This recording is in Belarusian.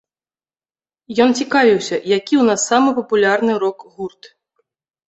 Ён цікавіўся, які ў нас самы папулярны рок-гурт.